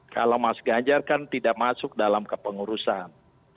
kalau mas ganjar kan tidak masuk dalam kepengurusan